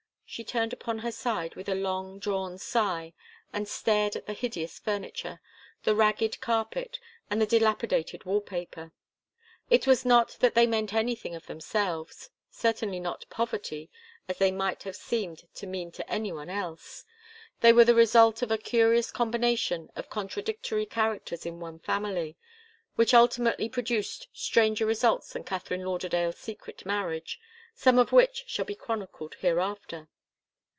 She turned upon her side with a long drawn sigh, and stared at the hideous furniture, the ragged carpet, and the dilapidated wall paper. It was not that they meant anything of themselves certainly not poverty, as they might have seemed to mean to any one else. They were the result of a curious combination of contradictory characters in one family, which ultimately produced stranger results than Katharine Lauderdale's secret marriage, some of which shall be chronicled hereafter.